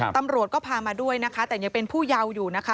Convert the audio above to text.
ตำรวจก็พามาด้วยนะคะแต่ยังเป็นผู้เยาว์อยู่นะคะ